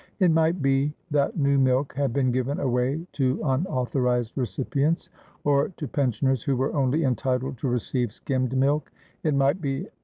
It might be that new milk had been given away to unauthorised recipients, or to pensioners who were only entitled to receive skimmed milk ; it might be 244 Asphodel.